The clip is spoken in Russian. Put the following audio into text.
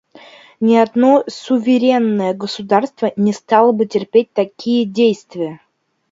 Ни одно суверенное государство не стало бы терпеть такие действия.